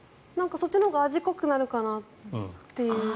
そっちのほうが味が濃くなるかなという。